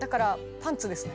パンツですね。